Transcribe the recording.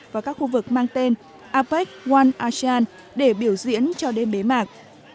và các khu vực mang tên apec wal asean để biểu diễn cho đêm bế mạc